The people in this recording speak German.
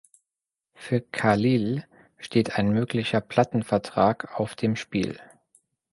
Für Khalil steht ein möglicher Plattenvertrag auf dem Spiel.